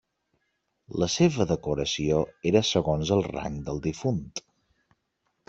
La seva decoració era segons el rang del difunt.